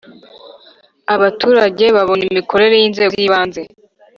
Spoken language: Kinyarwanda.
abaturage babona imikorere y inzego z ibanze